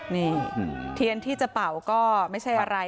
นี่เทียนที่จะเป่าก็ไม่ใช่อะไร